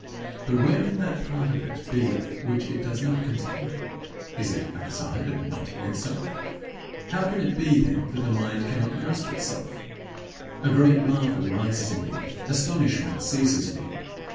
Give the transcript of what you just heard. But where can that part of it be which it does not contain? Is it outside and not in itself? How can it be, then, that the mind cannot grasp itself? A great marvel rises in me; astonishment seizes me.